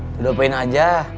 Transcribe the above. sudah pengen aja